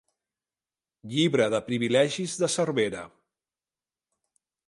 Llibre de Privilegis de Cervera.